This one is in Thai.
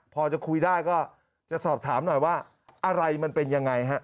พอจะคุยได้ก็จะสอบถามหน่อยว่าอะไรมันเป็นยังไงฮะ